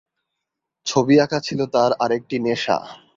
ছবি আঁকা ছিল তার আরেকটি নেশা।